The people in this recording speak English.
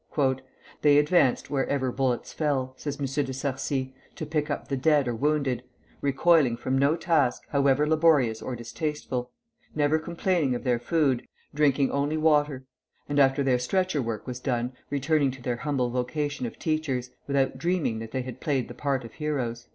"They advanced wherever bullets fell," says M. de Sarcey, "to pick up the dead or wounded; recoiling from no task, however laborious or distasteful; never complaining of their food, drinking only water; and after their stretcher work was done, returning to their humble vocation of teachers, without dreaming that they had played the part of heroes."